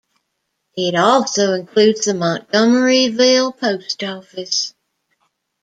It also includes the Montgomeryville Post Office.